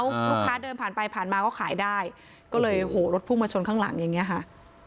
ลูกค้าเดินผ่านไปผ่านมาก็ขายได้ก็เลยโหรถพุ่งมาชนข้างหลังอย่างเงี้ค่ะ